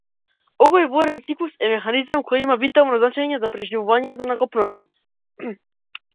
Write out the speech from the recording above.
Овој воден циклус е механизам кој има витално значење за преживувањето на копното.